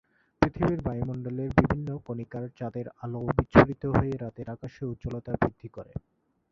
পৃথিবীর বায়ুমণ্ডলের বিভিন্ন কণিকায় চাঁদের আলো বিচ্ছুরিত হয়ে রাতের আকাশের উজ্জ্বলতা বৃদ্ধি করে।